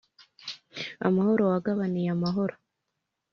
amahoro wagabaniye i mahoro